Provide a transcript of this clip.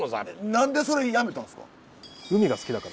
何でそれ辞めたんすか？